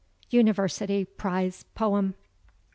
UNIVERSITY PRIZE POEM.